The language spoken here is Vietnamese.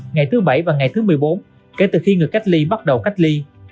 ngày thứ bảy và ngày thứ mười bốn kể từ khi người cách ly bắt đầu cách ly